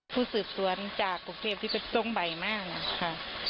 พูดสื่อท่วนจากกรุงเทพที่เป็นส่วงใบมากนะคะ